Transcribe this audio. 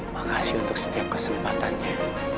makasih untuk setiap kesempatannya